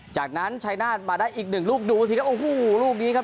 จากนั้นชายนาฏมาได้อีกหนึ่งลูกดูสิครับโอ้โหลูกนี้ครับ